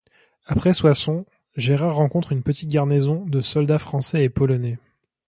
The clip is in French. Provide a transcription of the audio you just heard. Après Soissons, Gérard rencontre une petite garnison de soldats français et polonais.